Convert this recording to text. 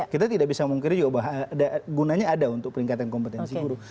kita tidak bisa memungkiri juga bahwa gunanya ada untuk peningkatan kompetensi guru